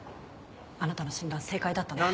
あなたの診断正解だったの。